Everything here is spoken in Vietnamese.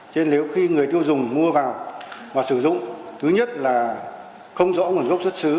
chứ nếu khi người tiêu dùng mua vào và sử dụng thứ nhất là không rõ nguồn gốc xuất xứ